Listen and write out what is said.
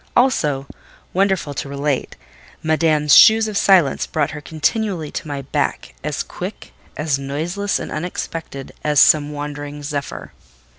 Also, wonderful to relate, Madame's shoes of silence brought her continually to my back, as quick, as noiseless and unexpected, as some wandering zephyr.